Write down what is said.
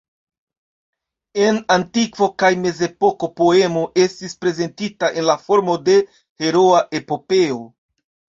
En antikvo kaj mezepoko poemo estis prezentita en la formo de heroa epopeo.